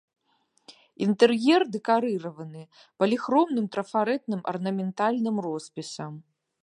Інтэр'ер дэкарыраваны паліхромным трафарэтным арнаментальным роспісам.